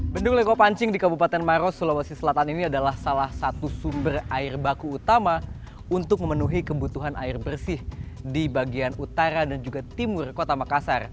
bendung lego pancing di kabupaten maros sulawesi selatan ini adalah salah satu sumber air baku utama untuk memenuhi kebutuhan air bersih di bagian utara dan juga timur kota makassar